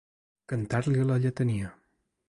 Cantar-li la lletania.